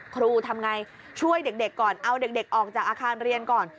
ครูทำไงช่วยเด็กก่อนเอาเด็กออกจากอาคารเรียนก่อน